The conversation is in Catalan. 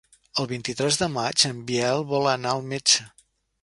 El vint-i-tres de maig en Biel vol anar al metge.